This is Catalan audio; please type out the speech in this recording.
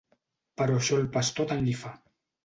Però això al pastor tant li fa.